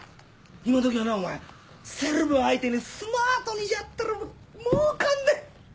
今どきはなお前セレブ相手にスマートにやったら儲かんねん！